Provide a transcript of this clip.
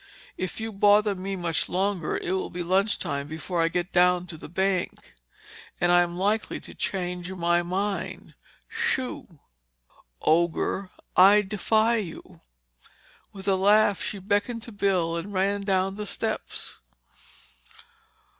"If you bother me much longer, it will be lunch time before I get down to the bank—and I'm likely to change my mind. Shoo!" "Ogre—I defy you!" With a laugh, she beckoned to Bill and ran down the steps.